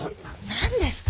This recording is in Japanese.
何ですか？